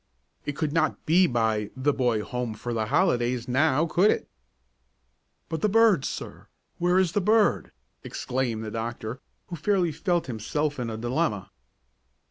"It could not be by 'the boy home for the holidays,' now, could it?" "But the bird, sir where is the bird?" exclaimed the doctor, who fairly felt himself in a dilemma.